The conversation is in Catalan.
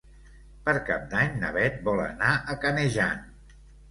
Per Cap d'Any na Bet vol anar a Canejan.